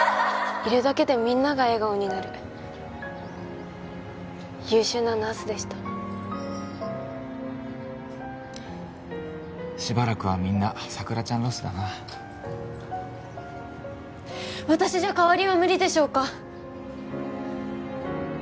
いるだけでみんなが笑顔になる優秀なナースでしたしばらくはみんな佐倉ちゃんロスだな私じゃ代わりは無理でしょうか？